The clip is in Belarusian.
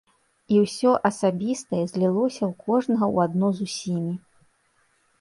І ўсё асабістае злілося ў кожнага ў адно з усімі.